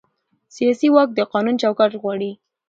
سیاسي واک د قانون چوکاټ غواړي